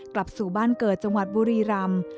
กลับสู่บ้านเกิดจังหวัดบุรีรำ